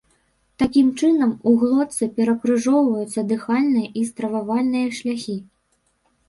Такім чынам, у глотцы перакрыжоўваюцца дыхальныя і стрававальныя шляхі.